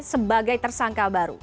sebagai tersangka baru